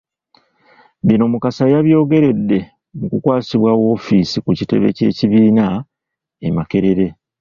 Bino Mukasa yabyogeredde mukukwasibwa woofiisi ku kitebe ky’ ekibiina e Makerere.